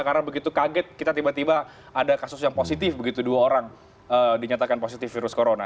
karena begitu kaget kita tiba tiba ada kasus yang positif begitu dua orang dinyatakan positif virus corona